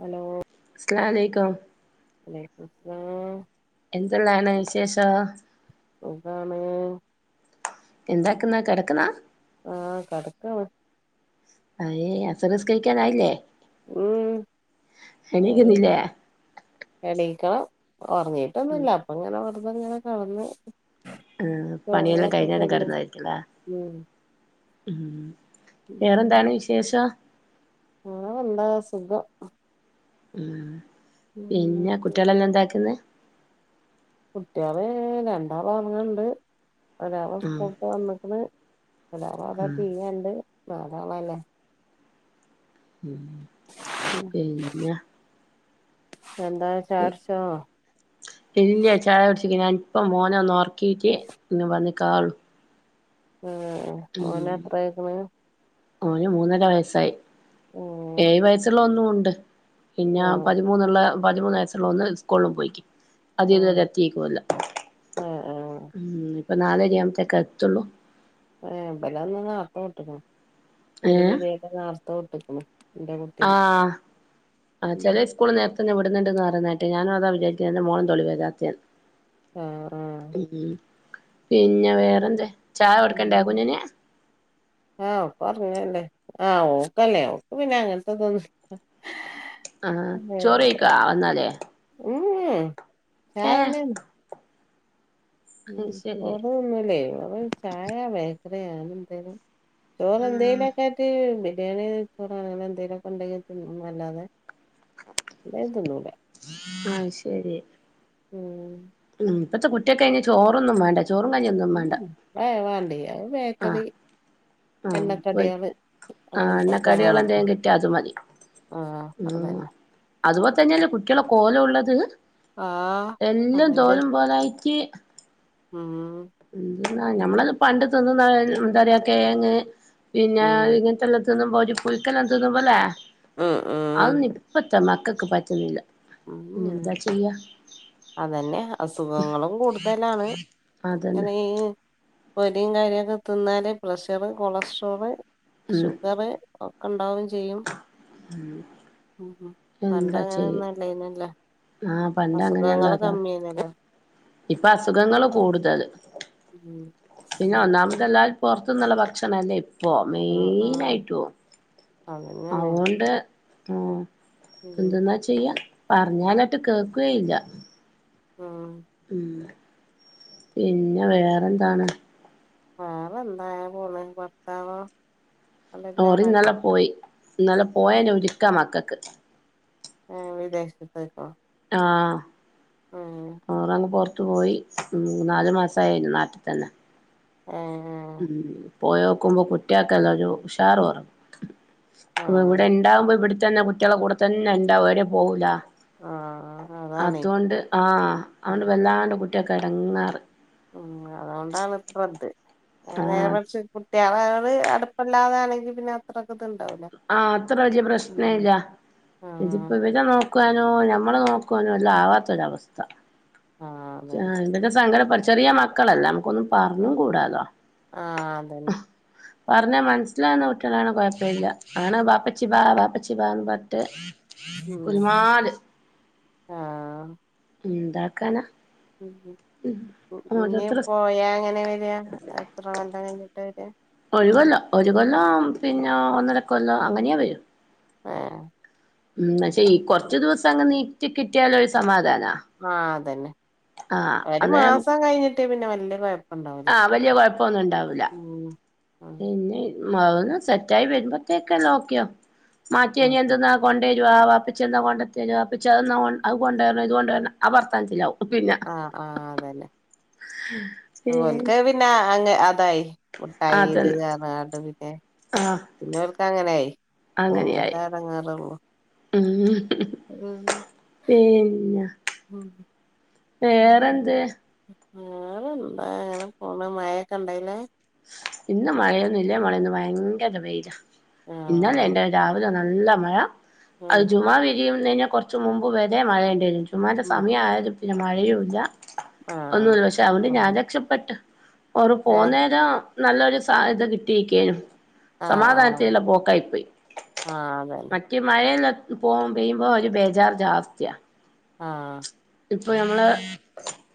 Hello അസലാമലെക്കും മുസ്സലാം എന്തെല്ലാണ് വിശേഷം സുഖാണ് എന്താക്കുന്നാ കിടക്കുന്നാ ആ കിടക്ക അയ്യേ അസറ് നിസ്കരിക്കാറായില്ലെ ഉം എണീക്കുന്നില്ല ഏ ഉറങ്ങിട്ടൊന്നുല്ല അപ്പം ഇങ്ങനെ വെറ്തെ ങ്ങനെ കിടന്നു ഉം പണിയെല്ലാം കഴിഞ്ഞാണ് കിടന്നിട്ടുള്ള ഉം ഉം വേറെന്താണ് വിശേഷം വേറെ എന്താ സുഖം ഉം ഉം പിന്നെ കുട്ടികളെല്ലാം എന്താക്കന്ന് കുട്ടികളെ രണ്ടാള് ഉറങ്ങുന്നുണ്ട് ഒരാള് ഉം സ്കൂൾ വിട്ട് വന്നേകണ് ഒരാളാ ഉം ടീവീണ്ട് നാലാളല്ലേ ഉം പിന്നെ എന്താ പി ചായുട്ച്ചോ പിന്ന ചായ കുടിച്ചിക്ക ഞാൻ ഇപ്പൊ മോനെ ഒന്ന് ഉർക്കീക്കെ എന്നും പറഞ്ഞ് കാറും ആ മോന എത്ര ആയേക്ക്ണ് ഓന് മൂന്നര വയസായി ഉം ഏഴ് വയസ്സുള്ള ഒന്നും ഉണ്ട് പിന്നെ ആഹ് പതിമൂന്നുള്ള പതിമൂന്ന് വയസ്സുള്ള ഒന്ന് സ്കൂളിലും പോയി അത് ആഹ് ഇതുവരെ എത്തിക്കുല്ല ആഹ് ആഹ് ഇപ്പം നാളെ അവിടത്തെക്ക് എത്തുള്ളൂ ഏ ഇബലന്ന് നേർത്തേ വിട്ടിക്കണ് ഒരു പിരീഡ് നാർത്ത വീട്ടിക്കിന് ആ ആ ചെല സ്കൂള് നേരത്ത വിട്ട് ട്ടുണ്ടന്ന് പറയുന്ന കേട്ടു ഞാനും അതാ വിചാരിക്കുന്നത് എൻ്റെ മോളും എന്താ ലും വരാത്തന്ന് ആഹ് ഉം പിന്നെ വേറെന്താ ചായ കൊടുക്കണ്ടെ ആഹ് കുഞ്ഞിന് ആ ഓക്കല്ലേ ഓക്ക് പിന്നെ അങ്ങനത്തെ ഇതെന്നും ആ ചോറ് കഴിക്കാ വന്നാല് ഉ ചായന്നെ നി ഉം അത് ശരി ചോർ ന്നൂല്ലേ റ ചായ ബേക്കറിയാണ് എന്തേലും ചോറ് ആ എന്തേലുമൊക്കെ ഇട്ട് ബിരിയാണി ചോറാണെങ്കില് എന്തെേലുമൊക്കെ ഉണ്ടാക്കി തിന്നും എന്നല്ലാതെ ആഹ് ശരി ഉം ഉം ഇപ്പഴത്തെ കുട്ടികൾക്ക് ഐന് ചോറൊന്നും വേണ്ട ചോറും കഞ്ഞി ഒന്നും വേണ്ട ഉം അത് വാണ്ടേ അത് ബേക്കറി ആഹ് ആഹ് പോയി എണ്ണക്കടികള് ആ അങ്ങനത്തൊക്കെ എണ്ണക്കടികള് എന്തെങ്കിലും കിട്ടായാ അത് മതി ആഹ് അതന്നെ മ് അതുപോലെ തന്നെയല്ലേ കുട്ടികള കോലം ഉള്ളത് ആഹ് എല്ലും തോലും പോലായിട്ട് ആ ആ ഞമ്മളക്കെ പണ്ട് തിന്നുന്നത്എന്താ പറയാ കിഴങ്ങ് പിന്നെ ഉം ഇങ്ങനത്തെ എല്ലാം തിന്നുമ്പോ ഒരു പുളിക്കെല്ലാം തിന്നുമ്പോല്ലെ ഉം അതെന്നും ഇപ്പം മക്കൾക്ക് പറ്റുന്നില്ല പിന്നെ ഉം എന്താ ചെയ്യാ അതന്നെ അസുഖങ്ങളും കൂടുതലാണ് അതന്നെ അങ്ങനെ ഈ പൊരിയും കാര്യങ്ങളെക്കെ തിന്നാല് പ്രഷർ കൊളസ്ട്രോള് ഉം ഷുഗർ ഒക്കെ ഉണ്ടാവയും ചെയ്യും ഉം പണ്ട് എന്താ ചെയ്യ അങ്ങനെന്നും ആഹ് പണ്ട് അങ്ങനെയല്ലാതാ കമ്മിയായിരുന്നല്ലോ ഇപ്പൊ അസുഖങ്ങള് കൂടുതല് ഉം പിന്നെ അതന്നെ ഒന്നാമതല്ലാ പൊറത്തുന്നുള്ള ഭക്ഷണം അല്ലേ പ്പോ ആഹ് മെയിൻ ആഹ് ആയിട്ടും അ അതന്നെയാണ് ഓണ്ട് ഉം ഉം എന്തെന്നാ ചെയ്യാ പറഞ്ഞാലെട്ട് കേക്കോയില്ല ഉം ഉം പിന്നെ വേറെന്താണ് വേറെന്താ ഇങ്ങനെ പോണ് ഭർത്താവോ അവിടെയുള്ള ആളല്ലേ ഓറിന്നലെ പോയി ഇന്നലെ പോയ നൊരുക്കാ മക്കക്ക് ഏ വിദേശത്തേക്കോ ആ ഓറങ്ങ് പൊറത്ത് പോയി ഏഹ് നാലു മാസായിരുന്നു നാട്ടിൽ തന്ന ഏഹ് ഉം പോയോക്കുമ്പോ കുട്ടേക്കെല്ലൊരു ഉഷാറ് കുറവ് ആണ് ഇവിടെ ഇണ്ടാവുമ്പോ ഇവിട്ത്തന്നെ കുട്ട്യോളെ കൂടെ തന്നെ ഉണ്ടാവും എവിടേയും പോകൂല ആഹ് അതാണേ അത് കൊണ്ട് ആഹ് അതൊണ്ട് വല്ലാണ്ട് കുട്ട്യോക്ക് എടങ്ങേറ് ഉം അതുകൊണ്ടാണ് ഇപ്പ ഇത് [unintelligible] നേരെ ആഹ് മറിച്ച് കുട്ട്യാളേട് അടുപ്പല്ലാതാണെങ്കിൽ പിന്നെ അത്രക്ക് ഇത്ണ്ടാവൂല ആ അത്ര വലിയ പ്രശ്നം ഉം ഇല്ല ആഹ് ഇതിപ്പോ ഇവരെ നോ നോക്കുവാനോ നമ്മളെ നോക്കുവാനോ എല്ലാം ആവാത്തൊരവസ്ഥ ആഹ് ആ അതന്നെ എന്തൊക്കെ സങ്കടം [unintelligible] ചെറിയ മക്കളല്ല നമ്മക്ക് ഒന്നും പറഞ്ഞും ആഹ് കൂടാലോ അതന്നെ പറഞ്ഞാ മനസ്സിലാവുന്ന കുട്ടിളാണെ കൊഴപ്പല്ല ആണ് ബാപ്പച്ചി ബാ ബാപ്പച്ചി ബാന്ന് പറഞ്ഞിട്ട് ഉം ഗുലുമാല് എന്താക്കാന ഉം ഇനി പോയാ എങ്ങനെ വര്യ എത്ര കൊല്ലം കഴിഞ്ഞിട്ടാ വര്യ ഒരു കൊല്ലം ഒരു കൊല്ലം പിന്നെ ഒന്നര കൊല്ലം അങ്ങനെ വരു [unintelligible] ഉം പക്ഷെ ഈ കൊറച്ച് ദിവസം അങ്ങ് നീട്ടി കിട്ടിയാലൊരു സമാധാനം ആഹ് അതന്നെ ഒരു മാസം കഴിഞ്ഞിട്ട് പിന്നെ വല്യ കൊഴ ആ വല്യ കൊഴപ്പൊന്നും ഉണ്ടാവൂല ഉം ആഹ് പിന്നെ ന്മ് അ ഒന്ന് സെറ്റായി വരുമ്പോത്തേക്ക് എല്ലാ ഓക്കെ ആകും മാറ്റി ആഹ് ഇനിയെന്തൊന്ന കൊണ്ടേ വാ വാപ്പച്ചി എന്നാ കൊണ്ടതരാ വാപ്പച്ചി അത് എന്നാ അത് കൊണ്ടുവരണം ഇത് കൊണ്ട് വരണം ആ വർത്താനത്തിലാവും പിന്നെ ആഹ് ആഹ് അതന്നെ ഏഹ് ഓൽക്ക് അത് പിന്നെ അങ്ങനെ [unintelligible] മുട്ടായി ഇത് അതന്നെ ന്നറഞ്ഞ്ങ്ങാണ്ട് പിന്നെ ആഹ് പിന്നെ ഓൽക്ക് അങ്ങനായി. അങ്ങനെയായി പോവുമ്പത്തെ എടങ്ങേറൊള്ളൂ ഉം ഉം ഉം വേറെന്തെ വേറെ എന്താ അങ്ങനെ പോണ് മഴയൊക്കെണ്ട അതിലെ ഇന്ന് മഴയൊന്നും ഇല്ല മോളെ ഇന്ന് ഭയങ്കര വെയില. ഇന്നലെ ആഹ് ഇണ്ട് രാവിലെ ഒന്ന് നല്ല മഴ ഉം അത് ജുമാ പിരിയുന്നെന്റെ കുറച്ച് മുമ്പ് വരെ മഴ ഇണ്ടായിരുന്നു ജുമുഅന്റെ ഉം സമയായാൽ പിന്നെ മഴയൂല്ല ആഹ് ഒന്നൂല്ല. പക്ഷെ അത്കൊണ്ട് ഉം ഞാൻ രക്ഷപ്പെട്ട് ഓറ് ഏഹ് പോന്നേരം നല്ലൊരു സാദ്യത കിട്ടിയെക്കെന്നു ആഹ് ആഹ് സമാധാനത്തിള്ള പോക്കായി പ്പോയി ആഹ് അതന്നെ മറ്റേ മഴയെ [unintelligible] പെയ്യുമ്പോ ഒരു ബേജാറ് ജാസ്തിയ ആഹ് ഇപ്പൊ ഞമ്മളെ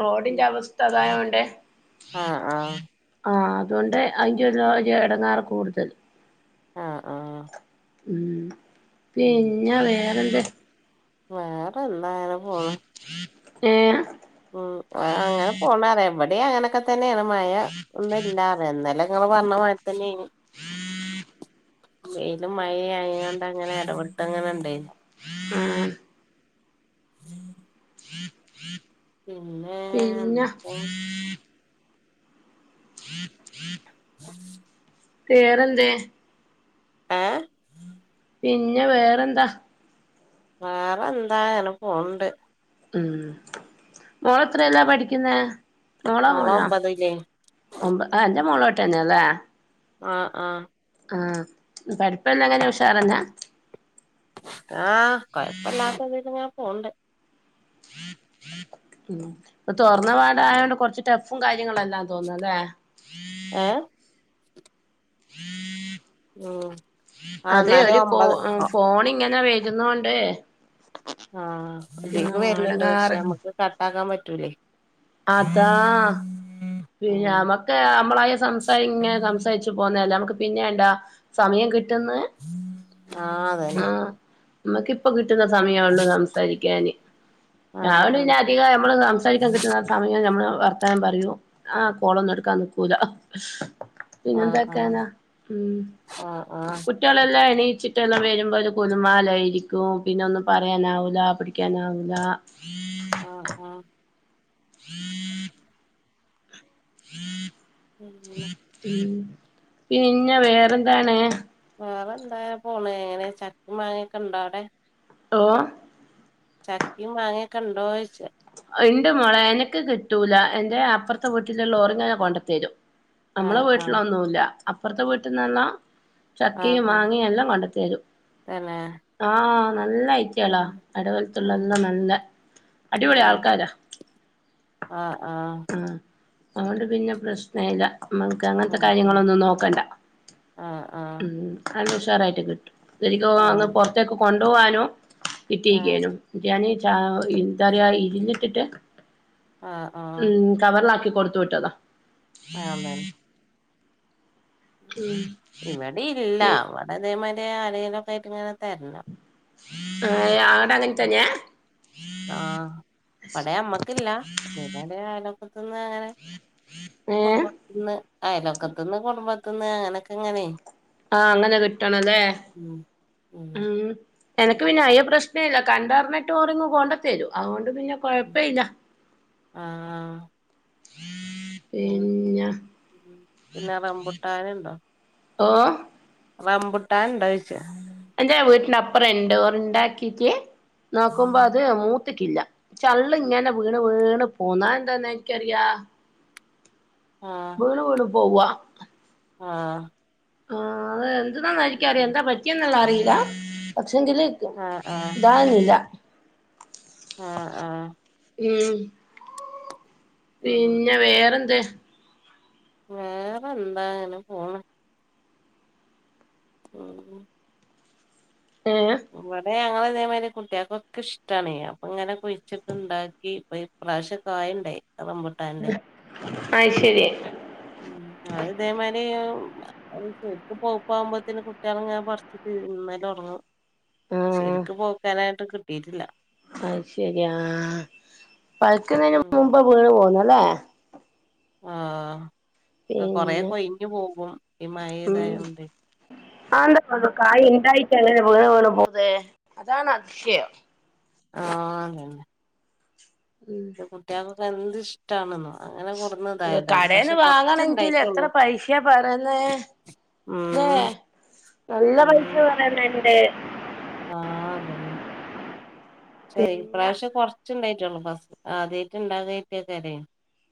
റോഡിന്റെ ഉം അവസ്ഥ അതായോണ്ട് ആഹ് ആഹ് ആ അതുകൊണ്ട് അതിന്റെയൊരു എടങ്ങേറ് കൂടുതൽ ആ ആ പിന്നെ വേറെന്താ വേറെ എന്താ അങ്ങനെ പോണ് ഏ ഉം അങ്ങനെ പോണു പറയാ. ഇവിടീം അങ്ങനെയൊക്കെ തന്നെയാണ് മഴ ഒന്നും ഇല്ലാന്ന് പറയാ. ഇന്നലെ ഇങ്ങള് പറഞ്ഞ മാരി തന്നെയ് നി [inaudible] വെയിലും മഴയും ആയിങ്ങാണ്ട് അങ്ങനെ ഇടവിട്ടങ്ങനെ ഉണ്ടയ് നി ആ പിന്നെ പിന്നെ എന്തൊക്കെ [inaudible] വേറെന്തേ ഏ പിന്നെ വേറെന്താ വേറെ എന്താ അങ്ങനെ പോണുണ്ട് ഉം മോളെത്രേല പഠിക്കുന്ന് മോളോ മോള മോനോ ഒമ്പതിലേ ഒമ്പത് ആ എന്റെമോളെ കൂട്ട് തന്നെ അല്ലേ ആ ആ ആ പഠിപ്പ് എല്ലാം എങ്ങനെ ഉഷാറന്നാ ആ കൊഴപ്പില്ലാത്തതില് അങ്ങനെ പോണുണ്ട് ഉം ഇപ്പൊ തുറന്നപാട് ആയതോണ്ട് കൊറച്ച് ടെഫും കാര്യങ്ങളും എല്ലാം തോന്ന അല്ലെ ഏ ആ അതെയ് എന്നാലും ഒരു കോ ഒമ്പത് ഫോണ് ഇങ്ങനെ വരുന്നോണ്ട് ആ ഇതിക്ക് ആഹ് വരുന്നുണ്ട് പക്ഷെ എടങ്ങേറ് നമ്മുക്ക് കട്ടാക്കാൻ പറ്റൂലേയ്‌ അതാ പിന്നെ ഉം നമുക്ക് നമ്മളായ സംസാരി ഇങ്ങനെ സംസാരിച്ചു പോവുന്നല്ലേ നമുക്ക് പിന്നെണ്ടൊ സമയം കിട്ടി കിട്ടുന്ന്. ആഹ് ആ അതന്നെ നമ്മക്ക്‌ ഇപ്പൊ കിട്ട കിട്ടുന്ന സമായൊള്ളൂ സംസാരിക്കാന് ആഹ് രാവിലെ പിന്നെ ആഹ് അധികം നമ്മള് സംസാരിക്കാൻ കിട്ടുന്ന സമയം നമ്മള് വർത്തനം പറ ആ കോളൊന്നും എടുക്കാൻ നിക്കൂല ആഹ് ആഹ് പിന്നെന്തൊക്കെയന്നാ ഉം ആഹ് ആഹ് കുട്ടികളെല്ലാം എണീ ച്ചിട്ടെല്ലാം വരുമ്പോ ഒരു ഗുലുമാലായിരിക്കും. പിന്നെ ഒന്നും പറയാനാവൂല പിടിക്കാനാവൂല ആ ആ [inaudible] പിന്നെ പിന്നെ വെറെന്താണ് വേറെന്താ പോണ് എങ്ങനെ ചക്കിം മാങ്ങക്കെ ഇണ്ടോ അവിടെ ഓ ചക്കിം മാങ്ങിഒക്കണ്ടോയിച്ച ഉണ്ട് മോളെ എനക്ക് കിട്ടൂല എന്റെ അപ്പുറത്തെ വീട്ടിലുള്ള ഓറിങ്ങനെ കോണ്ടത്തരും നമ്മളെ ആഹ് ആഹ് വീട്ടില അതോന്നുല്ല അപ്പുറത്തെ വീട്ടിൽന്നല്ലാം ആഹ് ചക്കയും ആഹ് മാങ്ങയും എല്ലാം കോണ്ടെത്തരും തന്നെ ആ നല്ല ഐക്കിയള്ള ആളാ എടവൽത്തുള്ള എല്ലാം നല്ല അടിപൊളി ആൾ അ ആ അതോണ്ട് പിന്നെ പ്രശ്ന ഇല്ല മ്മൾക്ക് അങ്ങനത്തെ ആഹ് ആഹ് കാര്യങ്ങളോന്നും നോക്കണ്ട ആഹ് ആഹ് മമ്മ് നല്ല ഉഷറായിട്ട് കിട്ടും ശരിക്കും പറഞ്ഞ ആഹ് പുറത്തെക്ക് കോണ്ടുപോവാനും ആഹ് ആഹ് കിട്ടിയിക്കാനും [unintelligible] ചാ എന്താ പറയ ഇരിഞ്ഞിട്ടിട്ട് ആഹ് ആഹ് ഉം കവറിലാക്കി കൊടുത്തുവിട്ടതാ ആ അതന്നെ ഇവിടെ ഇല്ല ഇവടെ ഇതെമാതിരി ആരെങ്കിലോക്കെ ആയിട്ട് ഇങ്ങനെ തരണം അ ആട അങ്ങൻ തന്നെയാ ആ ഇവടെ ഞമ്മക്കില്ല ഇതെപോലെ അയലോക്കത്ത്ന്ന് അങ്ങനെ ഏഹ് കുടുംബത്തിന്ന് അയലോക്കത്തന്ന് കുടുംബത്തിന്ന് അങ്ങനെയോക്കെ ഇങ്ങനെ ആ അങ്ങനെ കിട്ടണം ലെ ഉം ഉം എനക്ക് പിന്നെ അയ്യ പ്രശ്നം ഇല്ല കണ്ടറിഞ്ഞിട്ട് ഓറിങ്ങു കോണ്ട തരും അതുകോണ്ട് പിന്നെ കോഴപ്പല്ല ഉം പിന്നെ റമ്പുട്ടനുണ്ടോ ഓ റമ്പുട്ടനുണ്ടോ ഇണ്ടാ ചോയ്ച്ച എന്റെ വീട്ടിന്റെ അപ്പറം ഇണ്ട് ഓർ ഇണ്ടാക്കീട്ട് നോക്കുമ്പോ അത് മൂത്തിക്കില്ല ചള്ള് ഇങ്ങനെ വിണ് വീണ് പോന്നാ അഎന്താന്നാ എനിക്കറിയാ വീണ് വീണ് പോവ ആ ആ അത് എന്ത്ന്നാന്ന് ആരിക്കറിയാം എന്താ പറ്റിയെന്ന്ള്ളെ അറിയില്ല പക്ഷ് ക്ഷേങ്കിൽ ആഹ് ഇതാന്നില്ല ആ ആ മ്മ് പിന്ന വെറെന്ത് വേറെ എന്താ ഇങ്ങെനെ പോണ് ഉം ഉം ഏ ഏ ഞങ്ങൾ ഇതെമാതിരി കുട്ടികൾക്കോക്കെ ഇഷ്ടാണ് അപ്പോ ഇങ്ങനെ കുഴിച്ചിട്ട്ണ്ടാക്കി ഇപ്പോ ഇപ്രാവശ്യം കായിണ്ടായി റമ്പുട്ടാന്റെ അത് ശരി മ്മ് അത് ഇതെമാരി ശരിക്കും പോപ്പ ആവുമ്പോത്തന് കുട്ടികൾ ഇങ്ങനെ പറിച്ചിട്ട് തിന്നല് ത്തോടെങ്ങും ആഹ് ശരിക്ക് പോക്കാനായിട്ട് കിട്ടിയിട്ടില്ല അത് ശരിയാ പയിക്കുന്നതിന് ഉം മുമ്പ് വീണ് പോന്നല്ലേ ആ കോറെ പിന്നെ കോയിഞ്ഞു പോകും ഈ മഴയതായോണ്ട് ആ [unintelligible] കായി ഇണ്ടായിട്ട് അങ്ങെനെ വീണ് വീണ് പോവുന്നെ അതാണ് അതിശയം ആ അങ്ങന്നെ ഉം ഇന്റെ കുട്ടിൾകോകെ എന്ത് ഇഷ്ടണെന്നോ അങ്ങനെ കൊണ്ടുന്നിതായതാണ് കടേന്ന് പക്ഷെ വാങ്ങണെങ്കില് എത്ര കൊറച്ച്ണ്ടായിട്ടുള്ളൂ പൈസയാ ഉംഹ് ഏ നല്ല പൈസ പറയണണ്ട് ആഹ് അതന്നെ പക്ഷെ പിന്നെ ഇപ്രാവശ്യം കൊറച്ച് ച്ച്ണ്ടായിട്ടുള്ളൂ ഫസ്റ്റ് ആദ്യായിട്ട്ണ്ടാകായിക്കക്കാരെ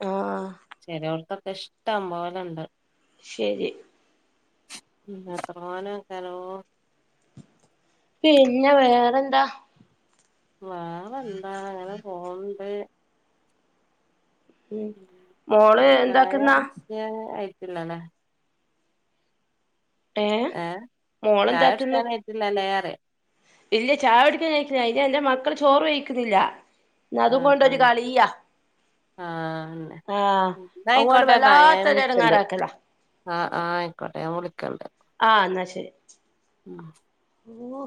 ആഹ് ചെലോടത്തൊ ഇഷ്ടംപോലുണ്ട് ശെരി എത്രതോനെവെക്കാലോ പിന്നെ വേറെന്താ വേറെന്താ അങ്ങനെപോണ്ട് ഉം മോള് അവിടെ എന്താക്കുന്നാ ചായകുടിക്കാൻ ആയിട്ടില്ലല്ലെ ഏഹ് ഏ മോളെന്താക്ക്ന്ന് ചായകുടിക്കാനായിട്ടില്ലല്ലേ പറയ ഇല്ല ചായുടിക്കാനായിട്ടില്ല അയിനെന്റെ മക്കള് ചോറ് വയിക്കുന്നില്ല അതും ആഹ് കൊണ്ടൊരു ആഹ് കളിയാ ആഹ് ആഹ് അതുകൊണ്ട് എന്നായിക്കോട്ടെന്നാ ഞാൻ വല്ലാത്തൊരു വിളിച്ചുണ്ട് എടങ്ങേറാക്കലാ ആഹ്-ആഹ് ആയിക്കോട്ടെ ഞാൻ വിളിക്കണ്ട് ശെരി ഉംഹ് ഓഹ്